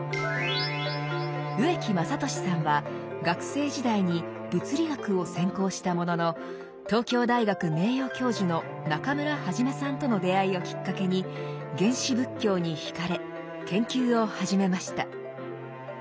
植木雅俊さんは学生時代に物理学を専攻したものの東京大学名誉教授の中村元さんとの出会いをきっかけに原始仏教に惹かれ研究を始めました。